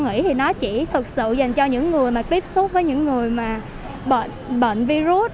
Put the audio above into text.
nghỉ thì nó chỉ thực sự dành cho những người mà tiếp xúc với những người mà bệnh virus